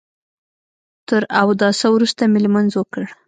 تر اوداسه وروسته مې لمونځ وکړ.